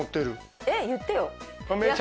えっ言ってよ。